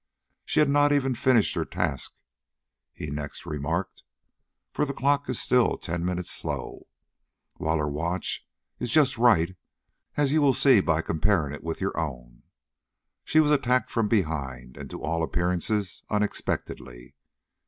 "She had not even finished her task," he next remarked, "for the clock is still ten minutes slow, while her watch is just right, as you will see by comparing it with your own. She was attacked from behind, and to all appearances unexpectedly.